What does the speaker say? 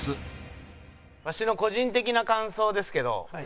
わしの個人的な感想ですけど。